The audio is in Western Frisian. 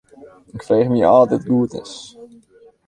Ik freegje my ôf oft dit goed is.